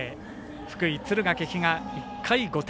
福井・敦賀気比が１回、５点。